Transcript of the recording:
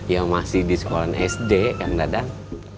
ya masih di sekolah sd kang dadang